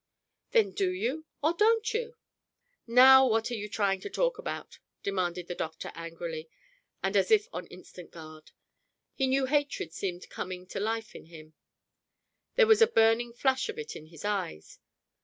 "Then do you or don't you?" "Now, what are you trying to talk about?" demanded the doctor angrily, and as if on instant guard. A new hatred seemed coming to life in him; there was a burning flash of it in his eyes.